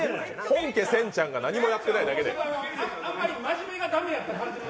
本家せんちゃんが何もやってないだけで。